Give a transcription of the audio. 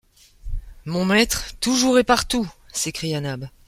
Mon maître, toujours et partout ! s’écria Nab